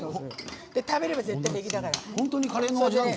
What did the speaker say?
食べれば絶対に平気だから。